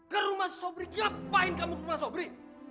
ke rumah sobri ngapain kamu ke rumah sobri